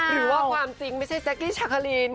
หรือว่าความจริงไม่ใช่แจ๊กกี้ชาคาริน